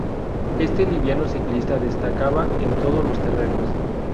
Este liviano ciclista destacaba en todos los terrenos.